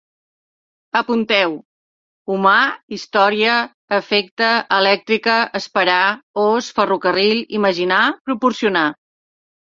Apunteu: humà, història, efecte, elèctrica, esperar, os, ferrocarril, imaginar, proporcionar